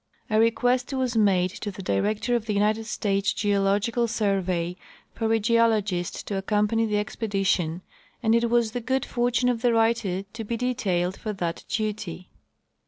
A request was made to the director of the United States Geological surve}^ for a geologist to accornpanj' the expedition, and it was the good fortune of the writer to be detailed for that duty.